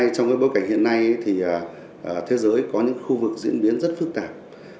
trong bối cảnh hiện nay thế giới có những khu vực diễn biến rất phức tạp